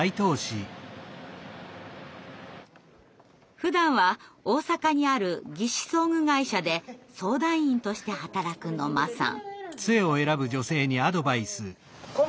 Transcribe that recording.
ふだんは大阪にある義肢装具会社で相談員として働く野間さん。